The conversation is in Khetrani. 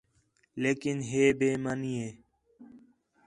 لیکن ہِے بے ایمان ہِے